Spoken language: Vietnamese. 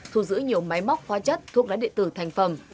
thu giữ nhiều máy móc hoa chất thuốc lá địa tử thành phẩm